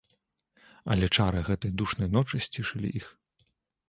Але чары гэтай душнай ночы сцішылі іх.